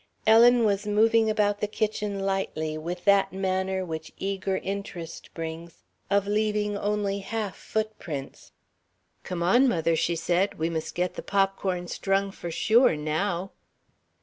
Ellen was moving about the kitchen lightly, with that manner, which eager interest brings, of leaving only half footprints. "Come on, mother," she said, "we must get the popcorn strung for sure, now!"